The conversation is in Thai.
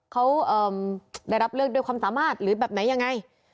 เขาได้รับเลือกด้วยความสามารถหรือแบบไหนยังไง